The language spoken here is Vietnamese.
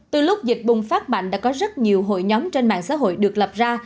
từ lúc dịch bùng phát mạnh đã có rất nhiều hội nhóm trên mạng xã hội được lập ra